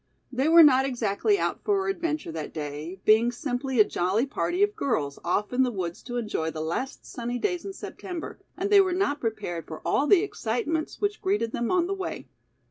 They were not exactly out for adventure that day, being simply a jolly party of girls off in the woods to enjoy the last sunny days in September, and they were not prepared for all the excitements which greeted them on the way.